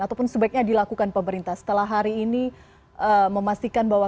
ataupun sebaiknya dilakukan pemerintah setelah hari ini memastikan bahwa